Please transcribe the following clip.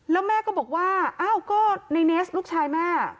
แล้วแม่ก็บอกว่าอ้าวก็ในเนสลูกชายแม่